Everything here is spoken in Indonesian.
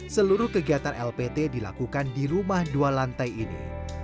seluruh kegiatan lpt dilakukan di rumah dua lantai ini